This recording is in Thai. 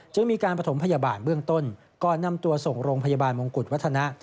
จึงมีการประถมพยาบาลเบื้องต้นก่อนนำตัวส่งโรงพยาบาลมงกุฎวัฒนะ